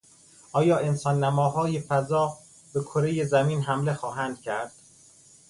آیا انسان نماهای فضا به کرهی زمین حمله خواهند کرد؟